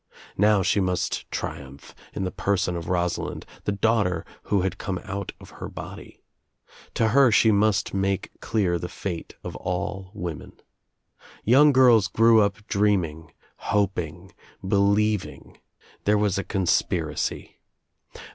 Now she must/ triumph in the person of Rosalind, the daughter who/ had come out of her body. To her she must make dear the fate of all women. Young girls grew up dreaming, hoping, believing. There was a conspiracy.